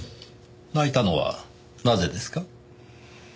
泣いたのはなぜですか？